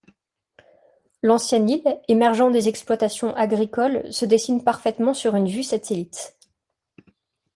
L'ancienne île, émergeant des exploitations agricoles, se dessine parfaitement sur vue satellite.